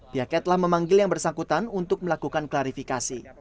pihaknya telah memanggil yang bersangkutan untuk melakukan klarifikasi